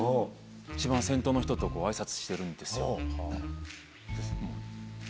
一番先頭の人とこうあいさつしてるんですよ。